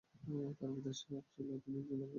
তার পিতার শখ ছিলো তিনি একজন ডাক্তার হবেন।